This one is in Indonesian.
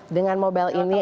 dengan mobile ini